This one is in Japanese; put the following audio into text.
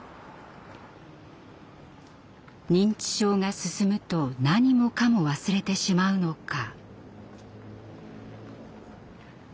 認知症が進むと何もかも忘れてしまうのか？